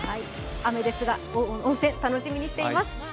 雨ですが、温泉、楽しみにしています。